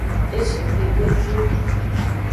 E shi te vie trolo.